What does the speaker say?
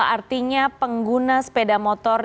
artinya pengguna sepeda motor